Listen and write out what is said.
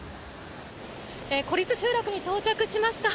孤立集落に到着しました。